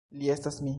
Li estas mi.